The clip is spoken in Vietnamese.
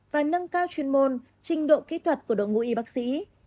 và nâng cao chuyên môn trình độ kỹ thuật của đội ngũ y bác sĩ